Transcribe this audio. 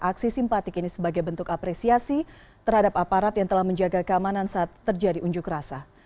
aksi simpatik ini sebagai bentuk apresiasi terhadap aparat yang telah menjaga keamanan saat terjadi unjuk rasa